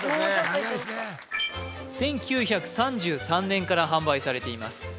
１９３３年から販売されています